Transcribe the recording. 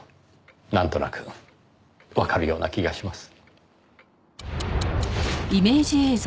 なんとなくわかるような気がします。